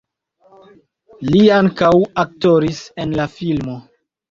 Li ankaŭ aktoris en la filmo.